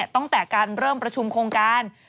ตั้งแต่การเริ่มประชุมโครงการ